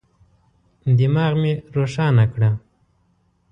دماغ مي روښانه کړه.